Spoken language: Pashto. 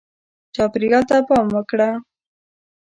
چاپېریال ته پام وکړه.